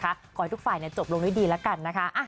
กลัวให้ทุกฝ่ายจบลงดีแล้วกันนะคะ